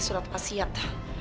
aku harus bawa pasiat